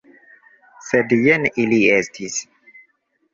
Sed jen ili estis!